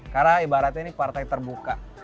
karena ibaratnya ini partai terbuka